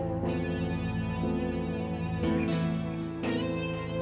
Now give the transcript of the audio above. rasanya gak mungkin lah